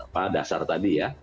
pada dasar tadi ya